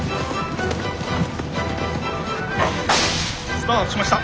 スタートしました。